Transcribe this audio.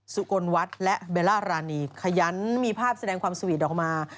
สุกลวัฒน์และเบลล่ารานีขยันมีภาพแสดงความสวีทออกมา